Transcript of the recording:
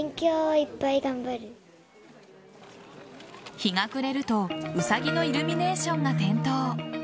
日が暮れるとウサギのイルミネーションが点灯。